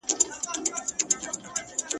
د تور شیطان د جهل او سوځلي ..